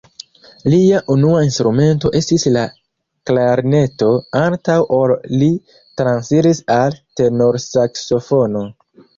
Lia unua instrumento estis la klarneto, antaŭ ol li transiris al tenorsaksofono.